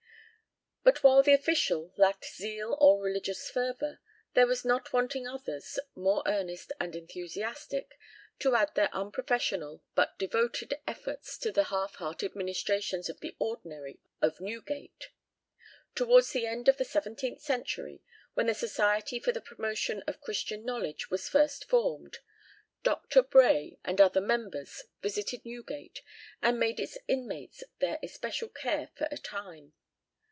But while the official lacked zeal or religious fervour, there were not wanting others more earnest and enthusiastic to add their unprofessional but devoted efforts to the half hearted ministrations of the ordinary of Newgate. Towards the end of the seventeenth century, when the Society for the Promotion of Christian Knowledge was first formed, Dr. Bray and other members visited Newgate, and made its inmates their especial care for a time.